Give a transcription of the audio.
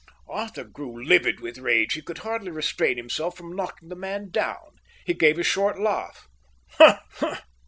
Arthur grew livid with rage. He could hardly restrain himself from knocking the man down. He gave a short laugh.